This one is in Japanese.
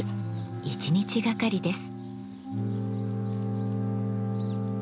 一日がかりです。